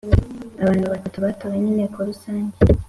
abantu batatu batowe n’Inteko rusange